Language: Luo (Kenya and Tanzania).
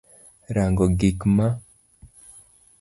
Rango gik m